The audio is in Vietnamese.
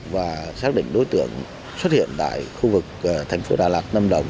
và xác định đối tượng xuất hiện tại khu vực thành phố đà lạt lâm đồng